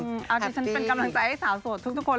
อย่างนี้ฉันเป็นกำลังใจให้สาวโสดทุกทุกคน